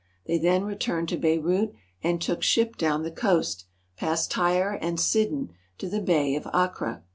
They then returned to Beirut and took ship down the coast, past Tyre and Sidon, to the Bay of Acre.